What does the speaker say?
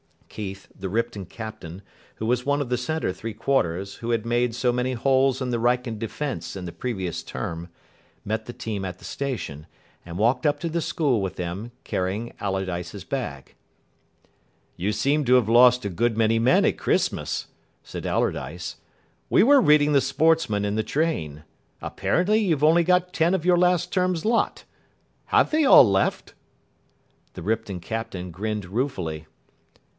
Keith, the Ripton captain, who was one of the centre three quarters who had made so many holes in the Wrykyn defence in the previous term, met the team at the station, and walked up to the school with them, carrying Allardyce's bag. "You seem to have lost a good many men at Christmas," said Allardyce. "We were reading the Sportsman in the train. Apparently, you've only got ten of your last term's lot. Have they all left?" The Ripton captain grinned ruefully.